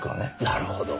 なるほど。